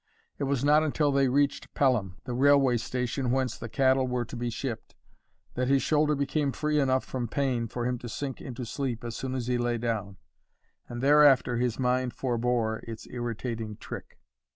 It was not until they reached Pelham, the railway station whence the cattle were to be shipped, that his shoulder became free enough from pain for him to sink into sleep as soon as he lay down; and thereafter his mind forbore its irritating trick.